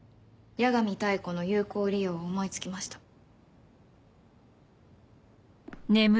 八神妙子の有効利用を思いつきました。